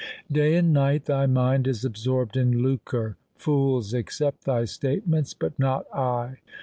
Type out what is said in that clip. Day and night thy mind is absorbed in lucre. Fools accept thy statements, but not I.